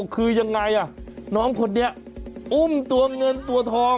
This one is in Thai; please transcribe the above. คือยังไงน้องคนนี้อุ้มตัวเงินตัวทอง